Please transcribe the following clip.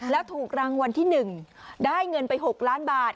แล้วถูกรางวัลที่๑ได้เงินไป๖ล้านบาท